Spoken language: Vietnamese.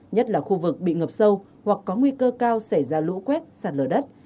nhất là khu vực bị ngập sâu hoặc có nguy cơ cao xảy ra lũ quét sạt lở đất